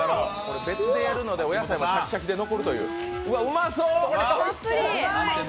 別でやるのでお野菜もシャキシャキで残るという。